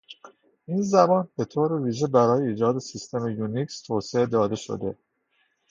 این زبان به طور ویژه برای ایجاد سیستم یونیکس توسعه داده شد.